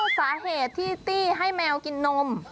สาเหตุที่ตี้ให้แมวกินนม